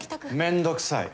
めんどくさい。